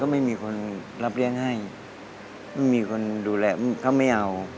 ไม่มีคนรับเลี้ยงให้ไม่มีคนดูแลเขาไม่เอา